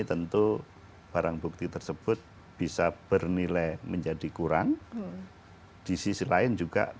kejaksaan kejaksaan hebat dan juga